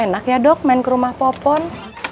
enak ya dok main ke rumah popon